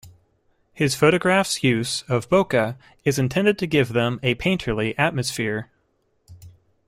His photographs' use of bokeh is intended to give them a painterly atmosphere.